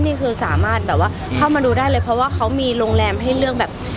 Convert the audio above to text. นี่คือสามารถแบบว่าเข้ามาดูได้เลยเพราะว่าเขามีโรงแรมให้เลือกแบบ